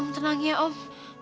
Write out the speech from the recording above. om tenang ya om